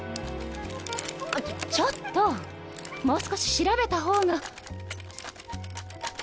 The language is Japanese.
ちょっともう少し調べたほうが。